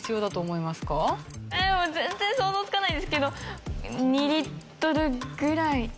もう全然想像つかないですけど２リットルぐらい？